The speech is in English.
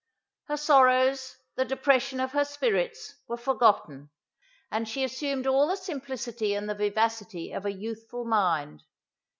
Her sorrows, the depression of her spirits, were forgotten, and she assumed all the simplicity and the vivacity of a youthful mind.